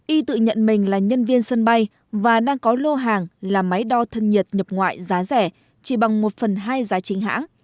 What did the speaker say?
y tự nhận mình là nhân viên sân bay và đang có lô hàng là máy đo thân nhiệt nhập ngoại giá rẻ chỉ bằng một phần hai giá chính hãng